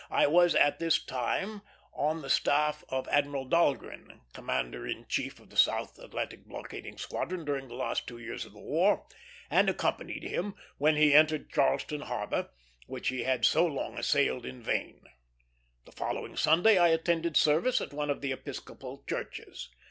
I was at this time on the staff of Admiral Dahlgren, commander in chief of the South Atlantic Blockading Squadron during the last two years of the war, and accompanied him when he entered Charleston Harbor, which he had so long assailed in vain. The following Sunday I attended service at one of the Episcopal churches.